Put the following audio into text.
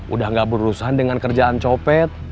udah gak berurusan dengan kerjaan copet